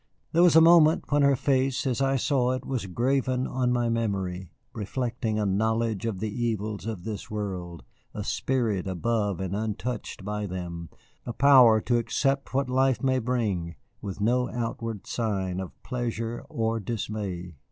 There was a moment when her face as I saw it was graven on my memory, reflecting a knowledge of the evils of this world, a spirit above and untouched by them, a power to accept what life may bring with no outward sign of pleasure or dismay.